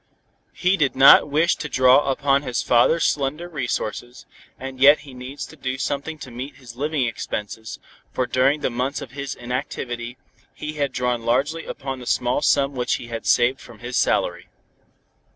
He did not wish to draw upon his father's slender resources, and yet he must needs do something to meet his living expenses, for during the months of his inactivity, he had drawn largely upon the small sum which he had saved from his salary.